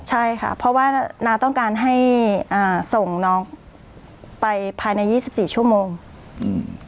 ใช่ค่ะเพราะว่าน้าต้องการให้อ่าส่งน้องไปภายในยี่สิบสี่ชั่วโมงอืม